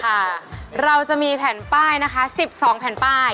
ค่ะเราจะมีแผ่นป้ายนะคะ๑๒แผ่นป้าย